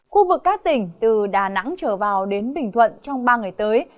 khu vực các tỉnh từ đà nẵng trở vào đến bình thuận trong ba ngày tới